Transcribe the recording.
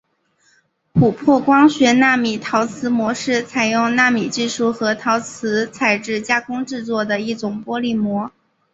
琥珀光学纳米陶瓷膜是采用纳米技术和陶瓷材质加工制作的一种玻璃膜。